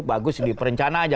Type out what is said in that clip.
bagus di perencana aja